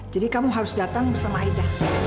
jadi kamu harus datang bersama aida